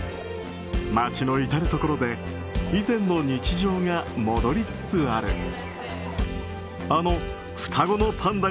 街の至るところで以前の日常が戻りつつある。